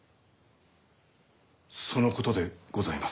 そのことでございますが。